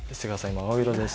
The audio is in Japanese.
今青色です。